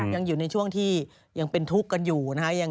ยังอยู่ในช่วงที่ยังเป็นทุกข์กันอยู่นะฮะ